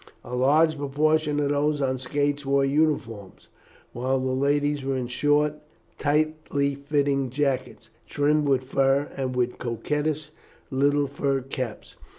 A large proportion of those on skates wore uniforms, while the ladies were in short, tightly fitting jackets, trimmed with fur, and with coquettish little fur caps.